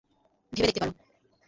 ভেবে দেখতে পারো।